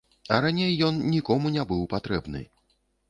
А раней ён нікому не быў патрэбны.